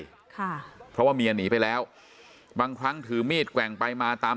ค่ะเพราะว่าเมียหนีไปแล้วบางครั้งถือมีดแกว่งไปมาตาม